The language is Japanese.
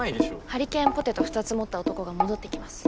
ハリケーンポテト２つ持った男が戻って来ます。